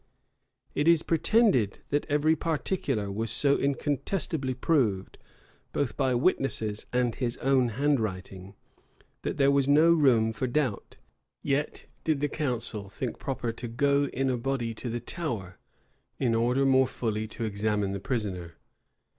It is pretended, that every particular was so incontestably proved, both by witnesses and his own handwriting, that there was no room for doubt; yet did the council think proper to go in a body to the Tower, in order more fully to examine the prisoner.